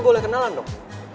gitu boleh kenalan dong